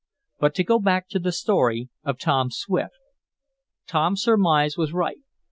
But to go back to the story of Tom Swift. Tom's surmise was right.